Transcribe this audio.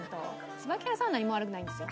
椿原さんは何も悪くないんですよ。